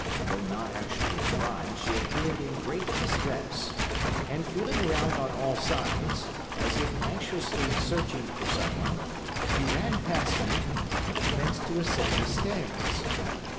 Though not actually crying, she appeared in great distress, and feeling around on all sides, as if anxiously searching for someone, she ran past me, and commenced to ascend the stairs.